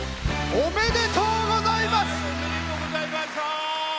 おめでとうございます！